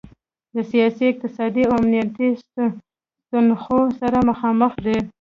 د سیاسي، اقتصادي او امنیتي ستونخو سره مخامخ دی.